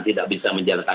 tidak bisa menjalankan